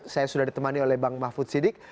saya sudah ditemani oleh bang mahfud sidik